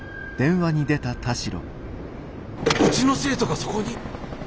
うちの生徒がそこに？